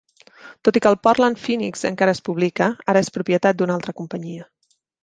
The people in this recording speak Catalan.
Tot i que el "Portland Phoenix" encara es publica, ara és propietat d'una altra companyia.